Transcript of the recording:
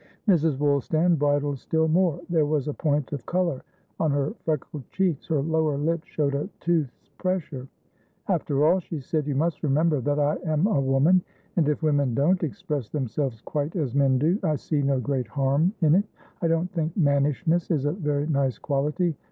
Mrs. Woolstan bridled still more. There was a point of colour on her freckled cheeks, her lower lip showed a tooth's pressure. "After all," she said, "you must remember that I am a woman, and if women don't express themselves quite as men do, I see no great harm in it. I don't think mannishness is a very nice quality.